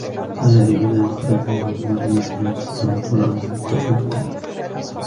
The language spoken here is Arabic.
وسارعوا إلى مغفرة من ربكم وجنة عرضها السماوات والأرض أعدت للمتقين